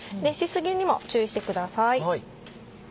熱しすぎにも注意してください。